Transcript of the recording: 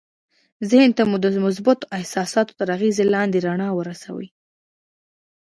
ذهن ته مو د مثبتو احساساتو تر اغېز لاندې رڼا ورسوئ